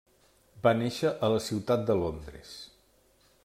Va néixer a la ciutat de Londres.